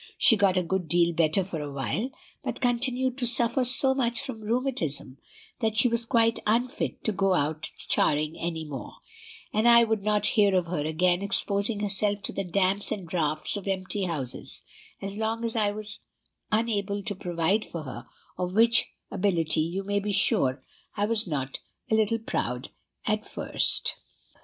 She got a good deal better for a while, but continued to suffer so much from rheumatism, that she was quite unfit to go out charing any more; and I would not hear of her again exposing herself to the damps and draughts of empty houses, so long as I was able to provide for her, of which ability you may be sure I was not a little proud at first.